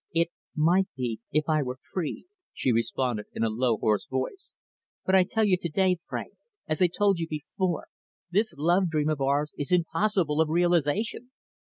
"It might be if I were free," she responded in a low, hoarse voice. "But I tell you to day, Frank, as I told you before, this love dream of ours is impossible of realisation."